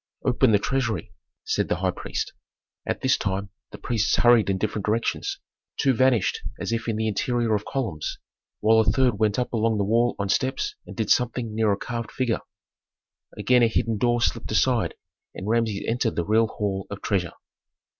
"Open the treasury," said the high priest. At this time the priests hurried in different directions: two vanished as if in the interior of columns, while a third went up along the wall on steps and did something near a carved figure. Again a hidden door slipped aside and Rameses entered the real hall of treasure.